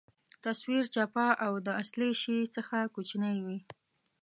تصویر چپه او د اصلي شي څخه کوچنۍ وي.